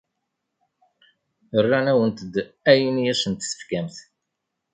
Rran-awent-d ayen i asen-tefkamt.